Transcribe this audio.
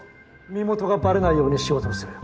身元がバレないように仕事をする。